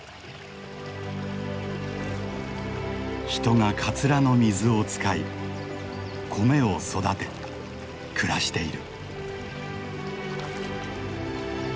人がカツラの水を使い米を育て暮らしている。